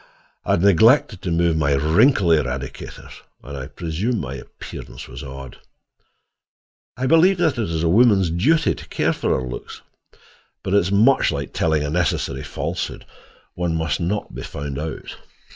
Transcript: I had neglected to remove my wrinkle eradicators, and I presume my appearance was odd. I believe that it is a woman's duty to care for her looks, but it is much like telling a necessary falsehood—one must not be found out.